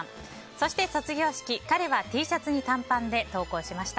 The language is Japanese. そして卒業式彼はＴシャツに短パンで登校しました。